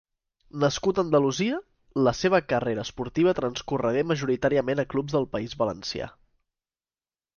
Nascut a Andalusia, la seva carrera esportiva transcorregué majoritàriament a clubs del País Valencià.